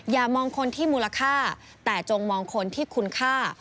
อย่ามองคนที่มูลค่าแต่จงมองคนที่คุณค่า